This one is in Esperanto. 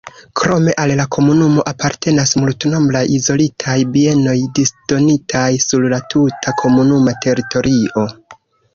Krome al la komunumo apartenas multnombraj izolitaj bienoj disdonitaj sur la tuta komunuma teritorio.